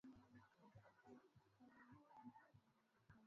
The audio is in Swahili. Dalili muhimu ya ugonjwa wa minyoo ni tumbo kuwa kubwa hasa kwa ndama